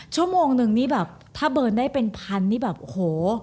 ชั่วโมงนึงนี่แบบถ้าเบิร์นได้เป็นพันนี่แบบโอ้โห